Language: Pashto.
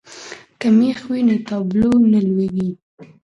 که مېخ وي نو تابلو نه لویږي.